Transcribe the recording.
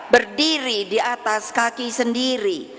berdiri di atas kaki sendiri